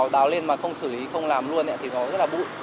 đáo lên mà không xử lý không làm luôn thì nó rất là bụi